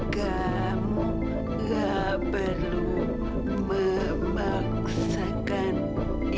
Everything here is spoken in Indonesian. kamu gak perlu memaksakan diri